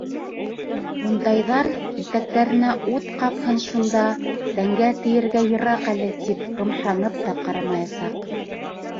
Ундайҙар, итәктәренә ут ҡапһын шунда, тәнгә тейергә йыраҡ әле, тип ҡымшанып та ҡарамаясаҡ.